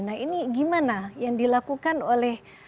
nah ini gimana yang dilakukan oleh